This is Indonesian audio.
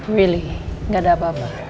milih gak ada apa apa